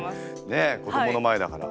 ねえ子どもの前だから。